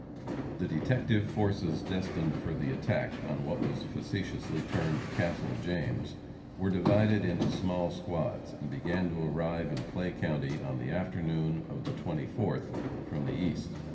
The detective forces destined for the attack on what was facetiously termed "Castle James," were divided into small squads, and began to arrive in Clay county on the afternoon of the 24th, from the East.